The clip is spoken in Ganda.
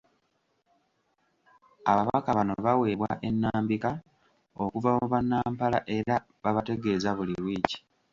Ababaka bano baweebwa ennambika okuva mu banampala era babategeeza buli wiiki